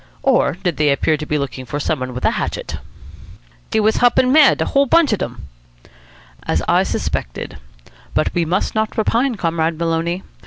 Or did they appear to be looking for some one with a hatchet?" "Dey was hoppin' mad, de whole bunch of dem." "As I suspected. But we must not repine, Comrade Maloney.